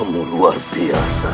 kamu luar biasa